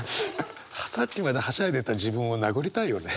さっきまではしゃいでた自分を殴りたいよね。